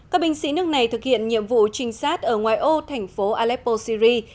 các binh sĩ nước này thực hiện nhiệm vụ trinh sát ở ngoài ô thành phố aleppo syri